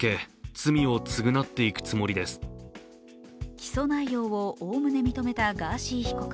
起訴内容をおおむね認めたガーシー被告。